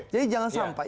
jadi jangan sampai